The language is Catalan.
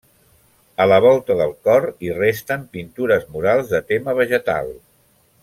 A la volta del cor hi resten pintures murals de tema vegetal.